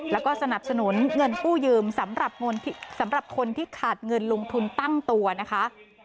แล้วก็สนับสนุนเงินกู้ยืมสำหรับคนที่ขาดเงินลงทุนตั้งตัวนะคะ